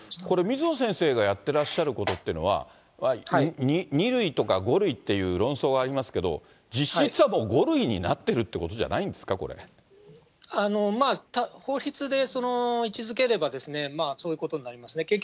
これ水野先生がやってらっしゃることというのは、２類とか５類っていう論争がありますけど、実質はもう５類になってるっていうことじゃないんですか、法律で位置づければ、そういうことになりますね。